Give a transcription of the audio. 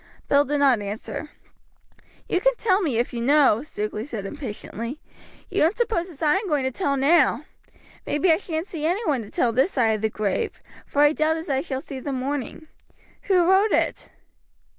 Bill did not answer. "You can tell me, if you know," Stukeley said impatiently. "You don't suppose as I am going to tell now! Maybe I shan't see any one to tell this side of the grave, for I doubt as I shall see the morning. Who wrote it?"